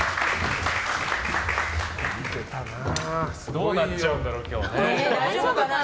どうなっちゃうんだろう今日。